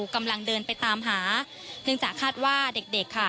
กำลังเดินไปตามหาเนื่องจากคาดว่าเด็กเด็กค่ะ